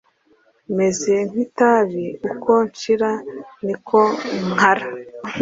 Meze nkitabi uko nshira niko nkara